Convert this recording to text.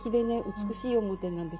美しい面なんです。